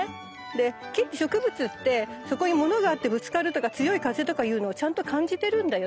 で木って植物ってそこに物があってぶつかるとか強い風とかいうのをちゃんと感じてるんだよね。